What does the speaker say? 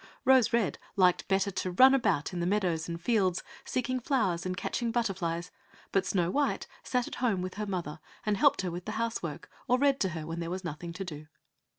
Rose red liked better to run about in the meadows and fields seeking flowers and catching butterflies; but Snow white sat at home with her mother, and helped her with her house work, or read to her when there was nothing to do.